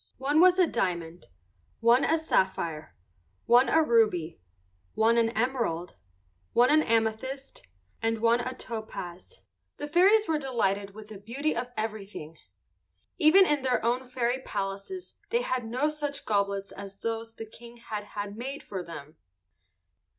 One was a diamond, one a sapphire, one a ruby, one an emerald, one an amethyst, and one a topaz. The fairies were delighted with the beauty of everything. Even in their own fairy palaces they had no such goblets as those the King had had made for them.